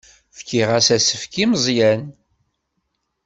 Fkiɣ-as asefk i Meẓyan.